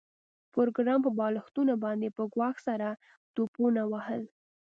پروګرامر په بالښتونو باندې په ګواښ سره ټوپونه وهل